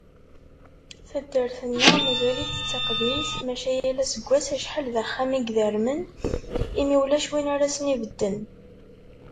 Taddart-nneɣ mazal-itt d taqdimt, maca yal aseggas acḥal d axxam i idermen, imi ulac win ara asen-ibedden.